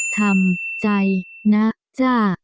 ทำใจนะจ้า